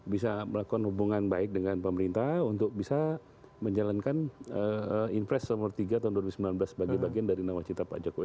bisa melakukan hubungan baik dengan pemerintah untuk bisa menjalankan impres nomor tiga tahun dua ribu sembilan belas sebagai bagian dari nawacita pak jokowi